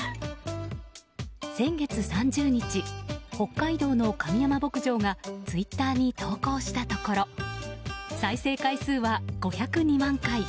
先月３０日北海道の上山牧場がツイッターに投稿したところ再生回数は５０２万回。